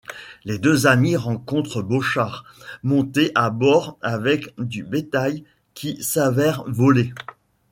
Les deux amis rencontrent Beauchard, monté à bord avec du bétail qui s'avère volé.